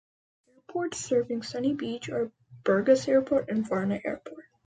The airports serving Sunny Beach are Burgas Airport and Varna Airport.